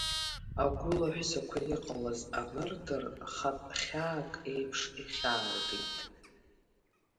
Агәылаҳәсақәа иҟалаз анырдыр, хатә хьаак еиԥш, ихьааргеит.